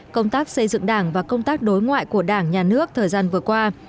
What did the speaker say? công tác xây dựng đảng và công tác đối ngoại của đảng nhà nước thời gian vừa qua